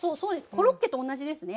コロッケと同じですね。